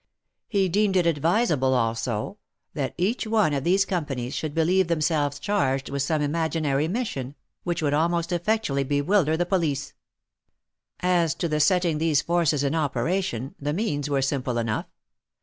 He deemed it advisable also, that each of these companies should believe themselves charged with some imaginary mission, which would most effectually bewilder the police. As to the setting these forces in operation, the means were simple enough.